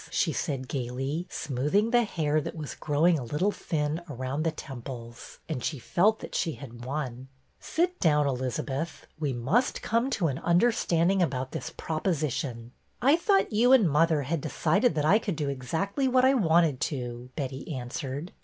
" she said gayly, smooth IN THE STUDY 267 ing the hair that was growing a little thin around the temples, and she felt that she had won. '' Sit down, Elizabeth. We must come to an understanding about this proposition.'' I thought you and mother had decided that I could do exactly what I wanted to," Betty answered.